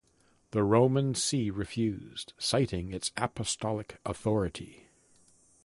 The Roman See refused, citing its apostolic authority.